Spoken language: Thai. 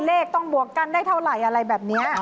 เลขต้องบวกกันได้เท่าไหร่อะไรแบบนี้